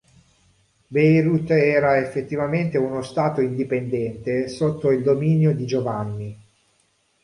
Beirut era effettivamente uno stato indipendente sotto il dominio di Giovanni.